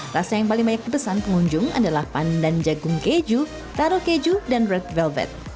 rasa yang paling banyak dipesan pengunjung adalah pandan jagung keju taro keju dan work velvet